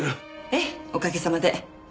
ええおかげさまで。